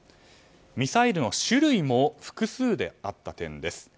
ミサイルの種類も複数だった点です。